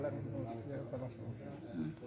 kalau panas sudah hilang